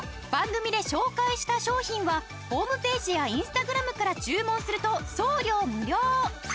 番組で紹介した商品はホームページやインスタグラムから注文すると送料無料。